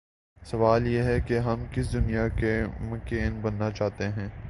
سوال یہ ہے کہ ہم کس دنیا کے مکین بننا چاہتے ہیں؟